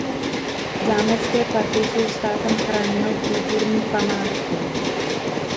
Zámecké parky jsou státem chráněnou kulturní památkou.